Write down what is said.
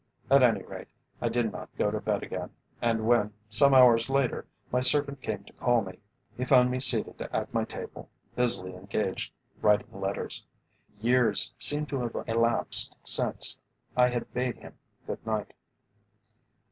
At any rate, I did not go to bed again, and when, some hours later, my servant came to call me, he found me seated at my table, busily engaged writing letters. Years seemed to have elapsed since I had bade him good night.